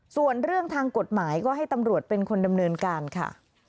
ส่วนเรื่องทางกฎหมายก็ให้ตำรวจเป็นคนดำเนินการค่ะ